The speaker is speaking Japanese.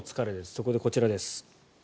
そこで、こちらです。